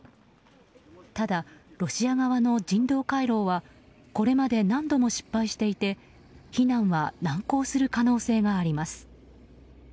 ただ、ロシア側の人道回廊はこれまで何度も失敗していて避難は難航する可能性があります。